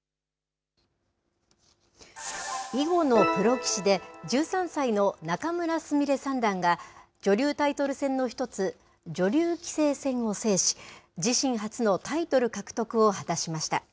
囲碁のプロ棋士で１３歳の仲邑菫三段が、女流タイトル戦の一つ、女流棋聖戦を制し、自身初のタイトル獲得を果たしました。